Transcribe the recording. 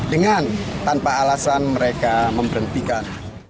dengan tanpa alasan mereka memberhentikan